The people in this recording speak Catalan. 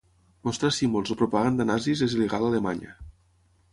Mostrar símbols o propaganda nazis és il·legal a Alemanya.